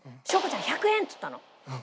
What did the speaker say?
ちゃん１００円！！って言ったの。